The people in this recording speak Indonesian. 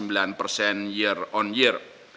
sebesar dua sembilan persen year on year